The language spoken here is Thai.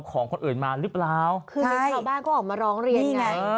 คือชาวบ้านก็ออกมาร้องเรียนไง